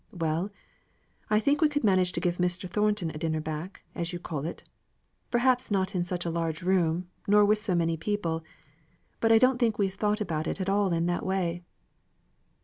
"Well, I think we could manage to give Mr. Thornton a dinner back, as you call it. Perhaps not in such a large room, nor with so many people. But I don't think we've thought about it at all in that way."